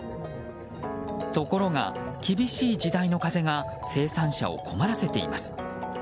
ところが厳しい時代の風が生産者を困らせています。